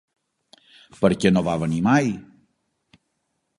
Per què no va venir mai?